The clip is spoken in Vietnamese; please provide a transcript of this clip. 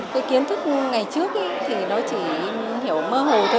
cái kiến thức ngày trước thì nó chỉ hiểu mơ hồ thôi